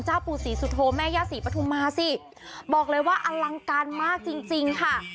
ปู่ศรีสุโธแม่ย่าศรีปฐุมาสิบอกเลยว่าอลังการมากจริงจริงค่ะ